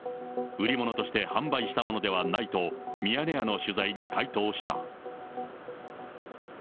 売り物として販売したものではないと、ミヤネ屋の取材に回答した。